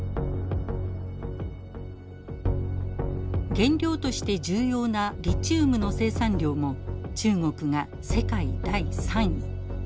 原料として重要なリチウムの生産量も中国が世界第３位。